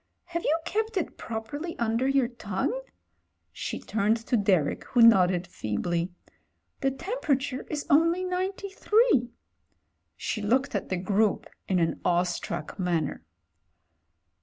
have you kept it properly under your tongue?" She turned to Derek, who nodded feebly. "The temperature is only 93." She looked at the group in an awestruck manner.